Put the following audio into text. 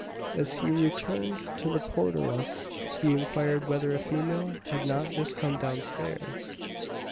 As he returned to the porteress, he inquired whether a female had not just come down stairs.